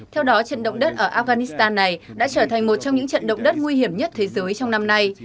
theo đó trận động đất ở afghanistan này đã trở thành một trong những trận động đất nguy hiểm nhất thế giới trong năm nay